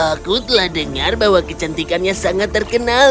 aku telah dengar bahwa kecantikannya sangat terkenal